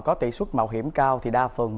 có tỷ suất mạo hiểm cao thì đa phần